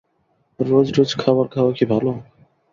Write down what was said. রোজ রোজ খাবার খাওয়া কি ভালো?